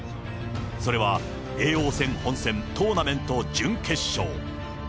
それは、叡王戦本戦トーナメント準決勝。